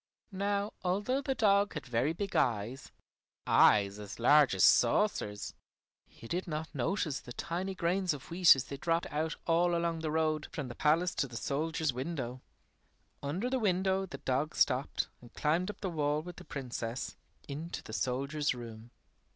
Now although the dog had very big eyes, eyes as large as saucers, he did not notice the tiny grains of wheat as they dropped out all along the road from the palace to the soldier's window. Under the window the dog stopped and climbed up the wall with the Princess, into the soldier's room.